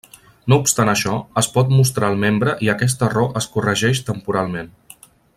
No obstant això, es pot mostrar el membre i aquest error es corregeix temporalment.